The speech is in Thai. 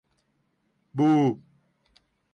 บู